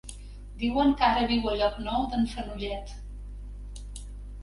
Diuen que ara viu a Llocnou d'en Fenollet.